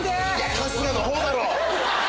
春日のほうだろ！